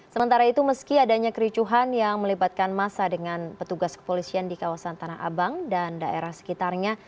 sementara itu meski adanya kericuhan yang melibatkan masa dengan petugas kepolisian di kawasan tanah abang dan daerah sekitarnya